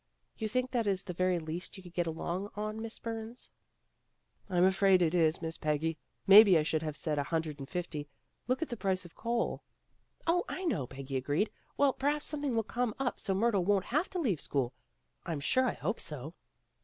"You think that is the very least you could get along on, Miss Burns." ''I'm afraid it is, Miss Peggy. Maybe I should have said a hundred and fifty. Look at the price of coal." "Oh, I know," Peggy agreed. "Well, per haps something will come up so Myrtle won't have to leave school. I'm sure I hope so."